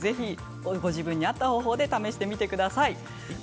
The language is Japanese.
ご自分に合った方法で試してみてください。